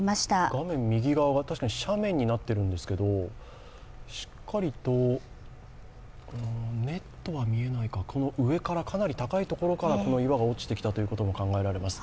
画面右側が斜面になっているんですけどしっかりとネットは見えないか、上から、かなり高いところからこの岩が落ちてきたということが考えられます。